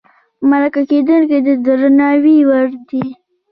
مرکه کېدونکی د درناوي وړ دی.